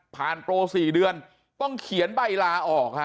ผ่านโปร๔เดือนต้องเขียนใบลาออกครับ